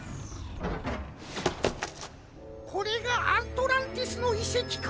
これがアントランティスのいせきか。